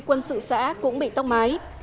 quân sự xã cũng bị tốc mái